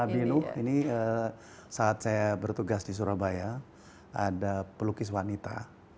abinu ini saat saya bertugas di surabaya ada pelukis wanita